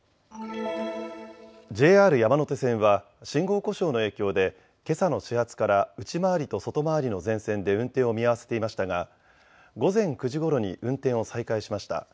ＪＲ山手線は信号故障の影響でけさの始発から内回りと外回りの全線で運転を見合わせていましたが午前９時ごろに運転を再開しました。